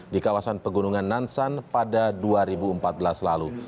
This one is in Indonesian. di kawasan pegunungan nansan pada dua ribu empat belas lalu